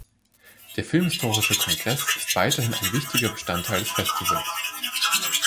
Der Filmhistorische Kongress ist weiterhin ein wichtiger Bestandteil des Festivals.